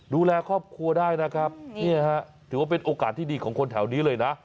ดูแลครอบครัวได้นะครับนี่ฮะถือว่าเป็นโอกาสที่ดีของคนแถวนี้เลยนะ